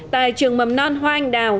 tại trường mầm non hoa anh đào